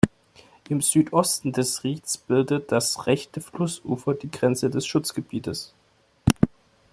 Im Südosten des Rieds bildet das rechte Flussufer die Grenze des Schutzgebiets.